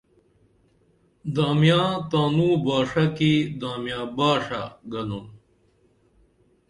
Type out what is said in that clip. دامیاں تانوں باݜہ کی دامیاں باݜہ گنُن۔